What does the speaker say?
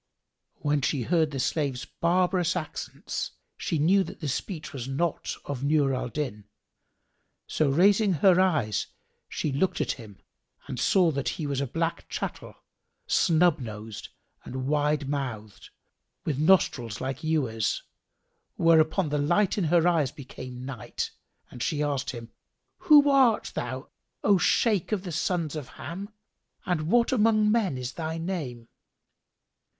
When she heard the slave's barbarous accents, she knew that the speech was not of Nur al Din; so raising her eyes she looked at him and saw that he was a black chattel, snub nosed and wide mouthed, with nostrils like ewers; whereupon the light in her eyes became night and she asked him, "Who art thou, O Shaykh of the sons of Ham and what among men is thy name?"